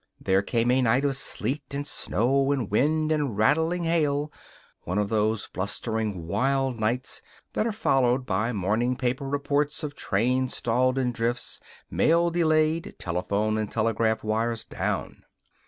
There came a night of sleet and snow, and wind and rattling hail one of those blustering, wild nights that are followed by morning paper reports of trains stalled in drifts, mail delayed, telephone and telegraph wires down.